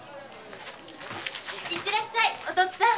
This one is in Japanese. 行ってらっしゃいお父っつぁん。